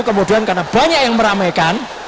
kemudian karena banyak yang meramaikan